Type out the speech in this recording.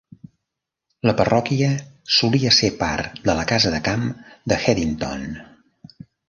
La parròquia solia ser part de la casa de camp d'Headington.